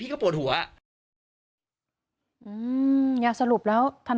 พี่ก็ปวดหัวอย่างสรุปแล้ว